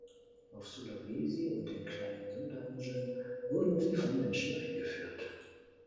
Auf Sulawesi und den Kleinen Sundainseln wurde sie von Menschen eingeführt.